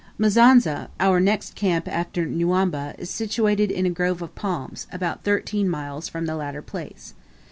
Mizanza, our next camp after Nyambwa, is situated in a grove of palms, about thirteen miles from the latter place.